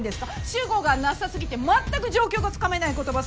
主語がなさすぎてまったく状況がつかめない言葉